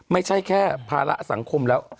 ไม่ใช่แค่ภาระสังคมแล้ว